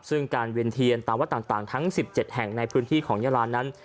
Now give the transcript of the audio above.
ซึ่งการเวียนเทียนตามวัดต่างทั้ง๑๗แห่งในพื้นที่ของยาลานั้น